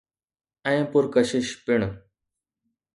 ۽ پرڪشش پڻ.